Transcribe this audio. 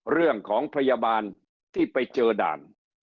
เรื่องของพยาบาลที่ไปเจอด่าน